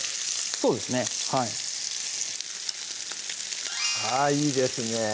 そうですねはいあいいですね